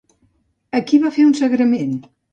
A qui va fer un sagrament?